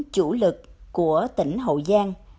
chủ lực của tỉnh hậu giang